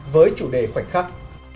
với chủ đề khoảnh khắc